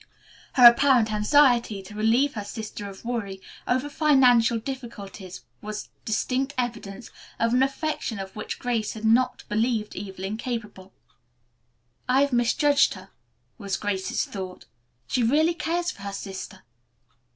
Her apparent anxiety to relieve her sister of worry over financial difficulties was distinct evidence of an affection of which Grace had not believed Evelyn capable. "I have misjudged her," was Grace's thought. "She really cares for her sister."